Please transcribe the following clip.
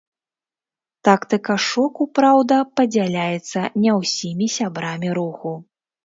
Тактыка шоку, праўда, падзяляецца не ўсімі сябрамі руху.